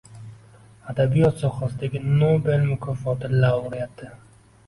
Adabiyot sohasidagi Nobel mukofoti laureati